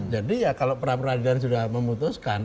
jadi ya kalau pra peradilan sudah memutuskan